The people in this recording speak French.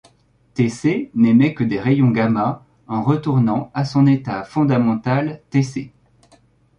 Tc n'émet que des rayons gamma en retournant à son état fondamental Tc.